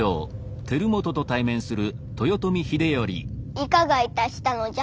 いかがいたしたのじゃ？